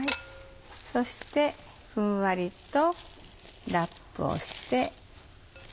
そしてふんわりとラップをして。